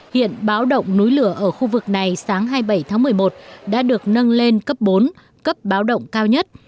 hiện báo động núi lửa ở khu vực này sáng hai mươi bảy tháng một mươi một đã được nâng lên cấp bốn cấp báo động cao nhất